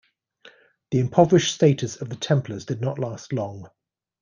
The impoverished status of the Templars did not last long.